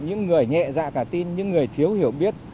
những người nhẹ dạ cả tin những người thiếu hiểu biết